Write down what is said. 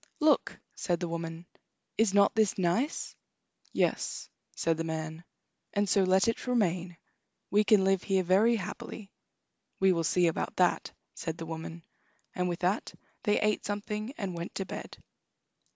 "Look!" said the woman, "is not this nice?" "Yes," said the man; "and so let it remain. We can live here very happily." "We will see about that," said the woman, and with that they ate something and went to bed.